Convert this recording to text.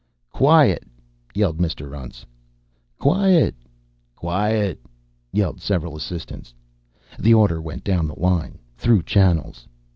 "Quiet!" yelled Mr. Untz. "Quiet quiet!" yelled several assistants. The order went down the line. Through channels.